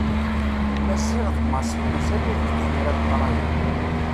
Maziɣ d Massi mazal ur bdin ara leqraya.